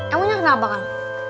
emangnya kenapa kan